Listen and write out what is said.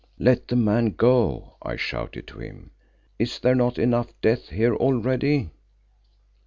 "Let the man go," I shouted to him. "Is there not enough death here already?"